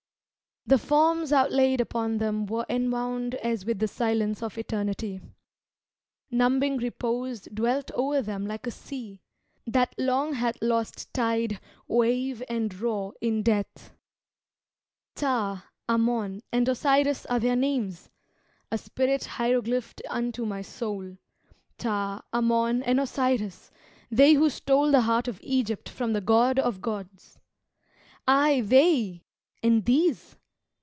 The forms outlaid upon them were enwound As with the silence of eternity. Numbing repose dwelt o'er them like a sea, That long hath lost tide, wave and roar, in death. "Ptah, Ammon, and Osiris are their names," A spirit hieroglyphed unto my soul. "Ptah, Ammon, and Osiris they who stole The heart of Egypt from the God of gods: "Aye, they! and these!"